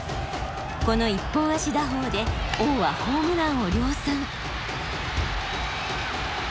この一本足打法で王はホームランを量産。